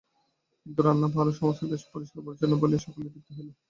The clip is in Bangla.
কিন্তু, রান্না ভালো এবং সমস্ত বেশ পরিষ্কার পরিচ্ছন্ন বলিয়া সকলেরই তৃপ্তি হইল।